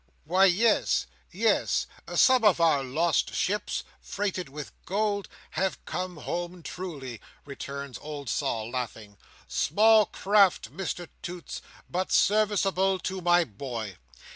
"Why yes, yes—some of our lost ships, freighted with gold, have come home, truly," returns old Sol, laughing. "Small craft, Mr Toots, but serviceable to my boy!"